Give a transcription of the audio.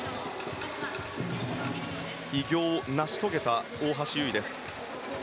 偉業を成し遂げた大橋悠依です。